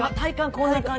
こんな感じ。